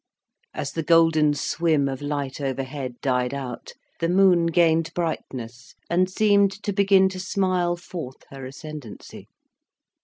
As the golden swim of light overhead died out, the moon gained brightness, and seemed to begin to smile forth her ascendancy.